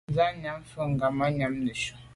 Nsa yàm mfe kamànyam neshu.